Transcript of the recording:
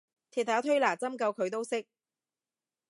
鐵打推拿針灸佢都識